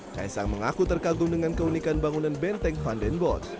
kaesang mengaku terkagum dengan keunikan bangunan benteng vandenbos